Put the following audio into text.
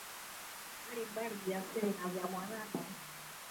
mbalimbali vya asili na vya mwanadamu anthropogenic Vyanzo vya